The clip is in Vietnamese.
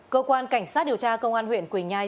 cơ quan cảnh sát điều tra công an huyện quỳnh nhai